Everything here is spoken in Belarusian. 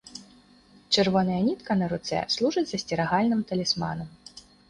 Чырвоная нітка на руцэ служыць засцерагальным талісманам.